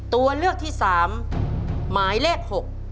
ตัวเลือกที่๓หมายเลข๖